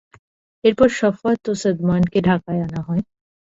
এরপর শাফাত ও সাদমানকে ঢাকায় আনা হয়।